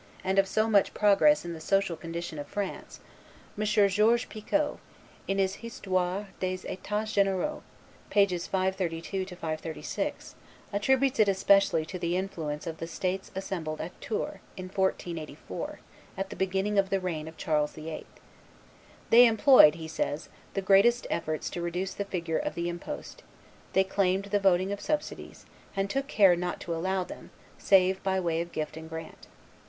and of so much progress in the social condition of France, M. George Picot, in his Histoire des Etats Generaux [t. i. pp. 532 536], attributes it especially to the influence of the states assembled at Tours, in 1484, at the beginning of the reign of Charles VIII.: "They employed," he says, "the greatest efforts to reduce the figure of the impost; they claimed the voting of subsidies, and took care not to allow them, save by way of gift and grant.